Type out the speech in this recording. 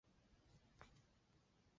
短棒角石是一属已灭绝的鹦鹉螺类。